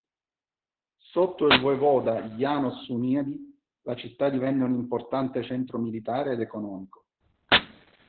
Sotto il Voivoda János Hunyadi, la città divenne un importante centro militare ed economico.